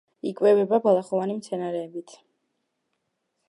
იკვებება ბალახოვანი მცენარეებით.